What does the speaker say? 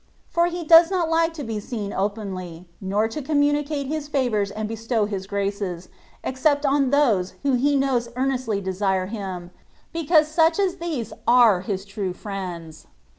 But He does not like to be seen openly, nor to communicate His favours and bestow His graces, except on those who He knows earnestly desire Him, because such as these are His true friends.